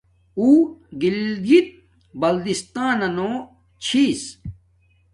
اݸ گلگت بلتستݳنَنݸ چھݵس.